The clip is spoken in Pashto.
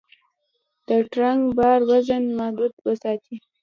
د ټرک بار وزن محدود وساتئ.